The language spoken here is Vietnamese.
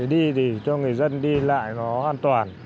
đi thì cho người dân đi lại nó an toàn